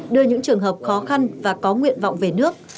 đưa những trường hợp khó khăn và có nguyện vọng về nước